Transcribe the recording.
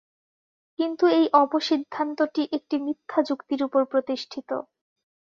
কিন্তু এই অপসিদ্ধান্তটি একটি মিথ্যা যুক্তির উপর প্রতিষ্ঠিত।